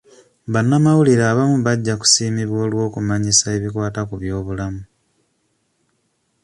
Bannamawulire abamu bajja kusiimibwa olw'okumanyisa ebikwata ku by'obulamu.